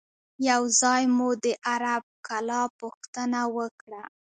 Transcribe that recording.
یو ځای مو د عرب کلا پوښتنه وکړه.